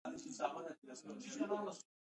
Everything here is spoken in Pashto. د اوبو سرچینې د افغانستان د ځایي اقتصادونو بنسټ دی.